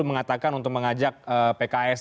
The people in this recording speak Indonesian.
mengatakan untuk mengajak pks